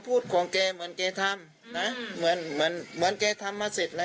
สทิทธิ์บอกว่าคนเจ็บล้มพวกน้ำอะไรแบบนี้บ้างทุนยังไม่ได้พูดนะ